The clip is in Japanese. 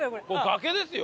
崖ですよ。